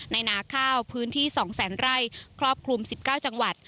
นาข้าวพื้นที่๒แสนไร่ครอบคลุม๑๙จังหวัด